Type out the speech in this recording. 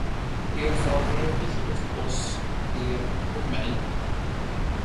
Er far har övergivit oss er och mig.